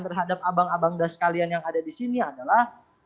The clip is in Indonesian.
terhadap abang abang dan sekalian yang ada di sini adalah